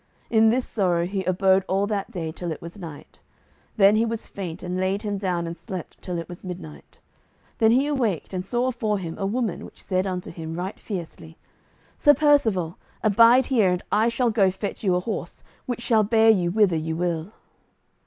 In this sorrow he abode all that day till it was night. Then he was faint, and laid him down and slept till it was midnight. Then he awaked, and saw afore him a woman which said unto him right fiercely, "Sir Percivale, abide here, and I shall go fetch you a horse, which shall bear you whither you will."